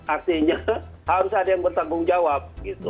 artinya harus ada yang bertanggung jawab